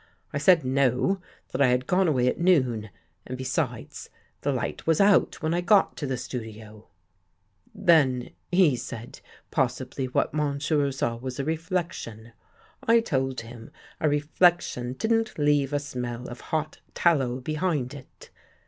I said no, that I had gone away at noon, and besides, the light was out when I got to the studio. ' Then,' said he, ' possibly what monsieur saw was a reflection.' " I told him a reflection didn't leave a smell of hot tallow behind it.